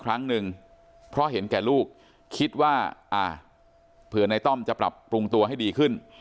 ครั้งหนึ่งเพราะเห็นแก่ลูกคิดว่าอ่าเผื่อในต้อมจะปรับปรุงตัวให้ดีขึ้น